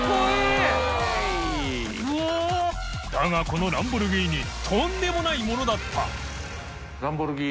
このランボルギーニとんでもないものだった田さん）